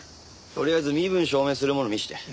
とりあえず身分証明するもの見せて。